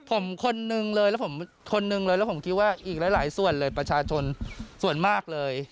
ผมคนนึงเลยแล้วผมคิดว่าอีกหลายส่วนเลยประชาชนส่วนมากเลย